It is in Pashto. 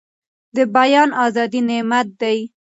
د بيان ازادي نعمت دی.